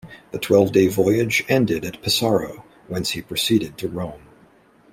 The twelve-day voyage ended at Pesaro, whence he proceeded to Rome.